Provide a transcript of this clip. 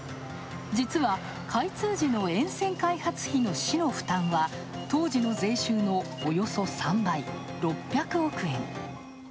実は開通時の沿線開発費の市の負担は当時の税収のおよそ３倍６００億円。